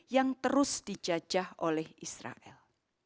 yang terus dijajah oleh israel